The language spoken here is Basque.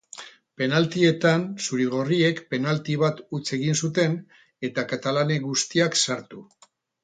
Penaltietan zuri-gorriek penalti bat huts egin zuten eta katalanek guztiak sartu.